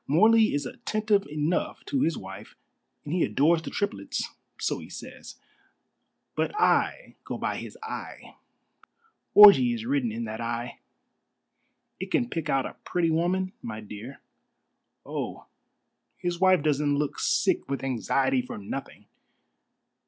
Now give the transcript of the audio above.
Morley is attentive enough to his wife, and he adores the triplets so he says; but I go by his eye. Orgy is written in that eye. It can pick out a pretty woman, my dear. Oh, his wife doesn't look sick with anxiety for nothing!"